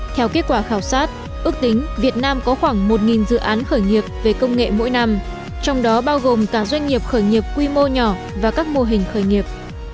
theo kết quả khảo sát ước tính việt nam có khoảng một dự án khởi nghiệp về công nghệ mỗi năm trong đó bao gồm cả doanh nghiệp khởi nghiệp